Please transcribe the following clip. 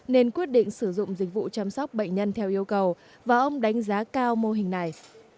nên quyết định sử dụng dịch vụ chăm sóc bệnh nhân theo yêu cầu và ông đánh giá cao mô hình này